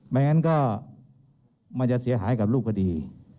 ไม่งั้นก็มันจะเสียหายกับรูปคดี